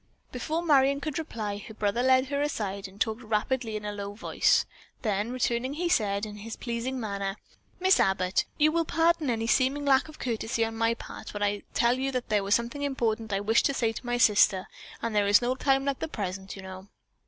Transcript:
Before Marion could reply, her brother led her aside and talked rapidly and in a low voice, then returning he said in his pleasing manner: "Miss Abbott, you will pardon any seeming lack of courtesy on my part when I tell you there was something very important which I wished to say to my sister, and there is no time like the present, you know."